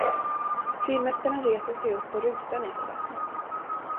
Fyrmästaren reser sig upp och rusar ned till vattnet